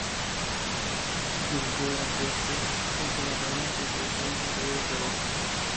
Dirigió durante estos últimos años las divisiones inferiores de Boca.